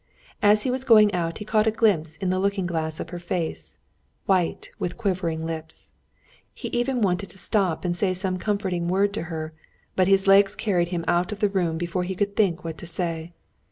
As he was going out he caught a glimpse in the looking glass of her face, white, with quivering lips. He even wanted to stop and to say some comforting word to her, but his legs carried him out of the room before he could think what to say.